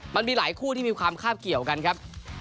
มันมีหลายคู่ที่มีความคาบเกี่ยวกันครับ